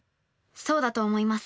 そうだと思います。